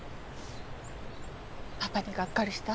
パパにがっかりした？